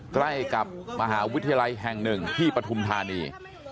ใกล้กับมหาวิทยาลัยแห่งหนึ่งที่ปฐุมธานี